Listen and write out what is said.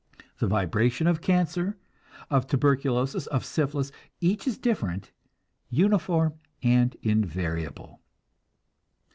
The vibration of cancer, of tuberculosis, of syphilis each is different, uniform and invariable.